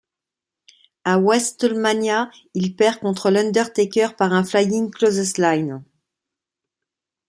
À Wrestlemania, il perd contre l'Undertaker par un Flying Clothesline.